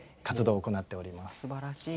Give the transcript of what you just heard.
すばらしい。